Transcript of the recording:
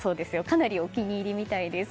かなりお気に入りみたいです。